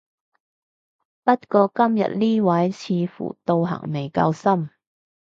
不過今日呢位似乎道行未夠深